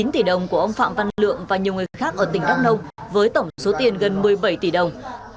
chín tỷ đồng của ông phạm văn lượng và nhiều người khác ở tỉnh đắk nông với tổng số tiền gần một mươi bảy tỷ đồng